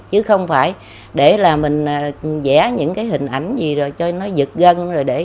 chứ không phải để là mình dẻ những hình ảnh gì rồi cho nó giật gân